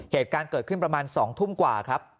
เหตุการณ์เกิดขึ้นประมาณ๒ทุ่มกว่าครับ